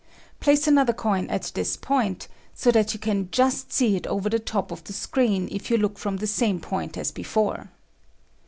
Place another coin at this point so that you can just see it over the top of the screen if you look from the same point as be fore.